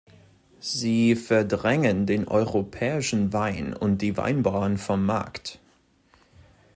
Sie verdrängen den europäischen Wein und die Weinbauern vom Markt.